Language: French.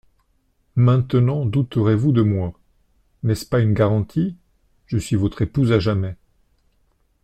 Maintenant douterez-vous de moi ? N'est-ce pas une garantie ? Je suis votre épouse à jamais.